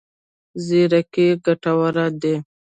زیرکي ګټور دی.